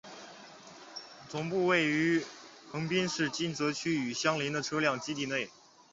总部位于横滨市金泽区与相邻的车辆基地内。